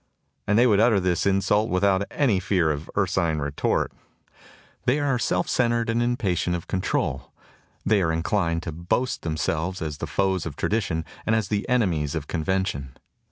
and they would utter this insult without any fear of an ursine retort. They are self centered and impatient of con trol. They are inclined to boast themselves as the foes of tradition and as the enemies of con vention.